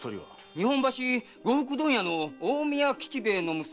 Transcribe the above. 日本橋呉服問屋の近江屋吉兵衛の娘